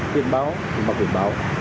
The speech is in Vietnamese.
biển báo thì mặc biển báo